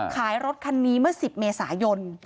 รถคันนี้เมื่อ๑๐เมษายน